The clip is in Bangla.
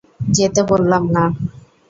যেতে বললাম না!